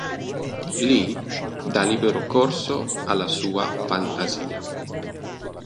Lì dà libero corso alla sua fantasia.